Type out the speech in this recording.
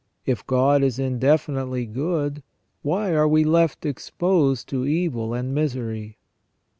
If God is indefinitely good, why are we left exposed to evil and misery